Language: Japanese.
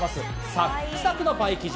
サックサクのパイ生地。